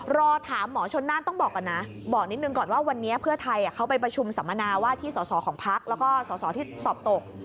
รอถามหมอชนน่านต้องบอกก่อนนะบอกนิดนึงก่อนว่าวันนี้เพื่อไทยเขาไปประชุมสัมมนาว่าที่สอสอของพักแล้วก็สอสอที่สอบตก